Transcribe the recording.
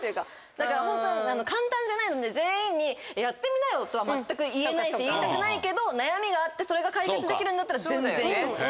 だからホント簡単じゃないので全員にやってみなよとは全く言えないし言いたくないけど悩みがあってそれが解決できるんだったら全然いいと思います。